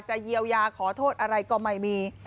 เยียวยาขอโทษอะไรก็ไม่มี